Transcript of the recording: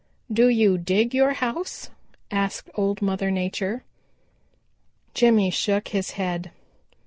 "Do you dig your house?" asked Old Mother Nature. Jimmy shook his head.